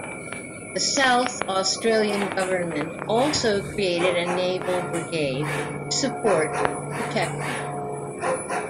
The South Australian government also created a naval brigade to support the Protector.